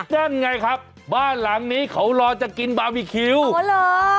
นั่นไงครับบ้านหลังนี้เขารอจะกินบาร์บีคิวอ๋อเหรอ